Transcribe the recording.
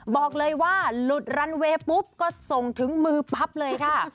บอกเลยว่าหลุดรันเวย์ปุ๊บก็ส่งถึงมือปั๊บเลยค่ะ